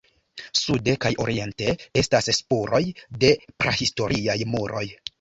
Sude kaj oriente estas spuroj de prahistoriaj muroj.